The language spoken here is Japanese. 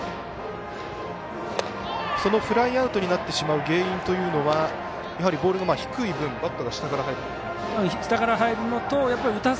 フライアウトになってしまう原因というのはやはりボールが低い分バットが下から入るという。